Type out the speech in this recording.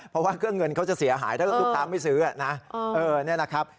เพราะว่าเครื่องเงินเขาจะเสียหายถ้าเราตุ๊กตามไปซื้ออ่ะนะเออเนี่ยนะครับ